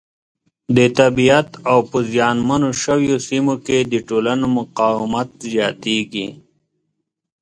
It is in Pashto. د طبیعیت او په زیان منو شویو سیمو کې د ټولنو مقاومت زیات کړي.